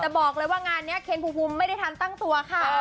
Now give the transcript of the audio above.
แต่บอกเลยว่างานนี้เคนภูมิไม่ได้ทันตั้งตัวค่ะ